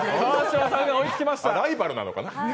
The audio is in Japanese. あ、ライバルなのかな。